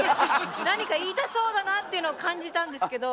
何か言いたそうだなっていうのを感じたんですけど。